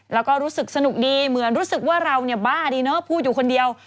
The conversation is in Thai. แล้วก็รู้สึกสนุกดีเหมือนรู้สึกว่าเราเนี่ยบ้าดีเนอะพูดอยู่คนเดียว